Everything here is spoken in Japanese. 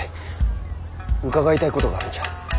伺いたいことがあるんじゃ。